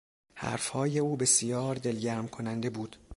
حرفهای او بسیار دلگرم کننده بود.